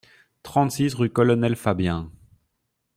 trente-six rue Colonel Fabien